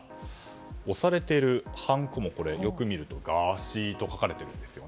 押されているはんこもよく見るとガーシーと書かれています。